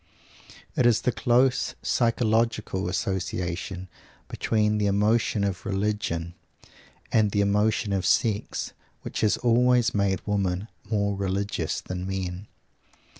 It is the close psychological association between the emotion of religion and the emotion of sex which has always made women more religious than men.